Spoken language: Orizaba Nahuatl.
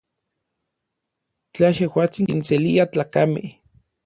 Tla yejuatsin kinselia tlakamej.